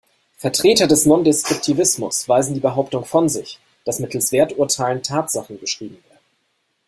Vertreter des Non-Deskriptivismus weisen die Behauptung von sich, dass mittels Werturteilen Tatsachen beschrieben werden.